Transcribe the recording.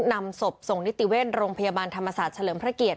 นำศพส่งนิติเวชโรงพยาบาลธรรมศาสตร์เฉลิมพระเกียรติ